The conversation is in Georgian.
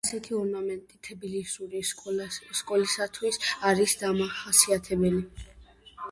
ასეთი ორნამენტი თბილისური სკოლისათვის არის დამახასიათებელი.